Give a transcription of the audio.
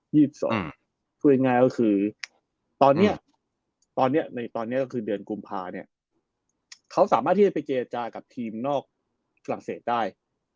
คือยังไงก็คือตอนนี้ก็คือเดือนกุมภาเนี่ยเขาสามารถที่จะไปเจจากับทีมนอกฝรั่งเศสได้